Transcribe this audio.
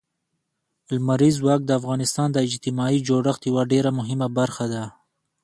لمریز ځواک د افغانستان د اجتماعي جوړښت یوه ډېره مهمه برخه ده.